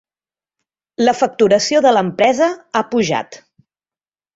La facturació de l'empresa ha pujat.